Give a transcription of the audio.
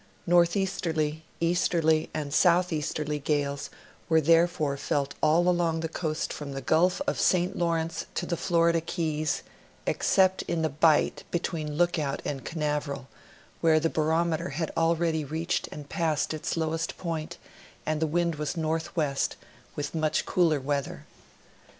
Northeasterly, easterly, and southeasterly gales were therefore felt all along the coast from the Gulf of St. Lawrence to the Florida Keys, excejJt in the bight between Look out and Caiiaveral, where the barometer had already reached and passed its lowest point and the wind was northwest, with much cooler weather.